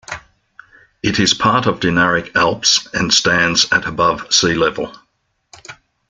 It is part of Dinaric Alps and stands at above sea level.